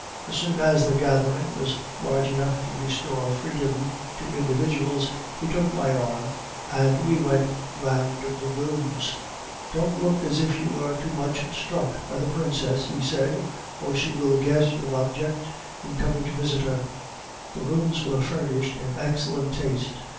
As soon as the gathering was large enough to restore freedom to individuals, he took my arm, and we went round the rooms. "'Don't look as if you were too much struck by the princess,' he said, 'or she will guess your object in coming to visit her.' "The rooms were furnished in excellent taste.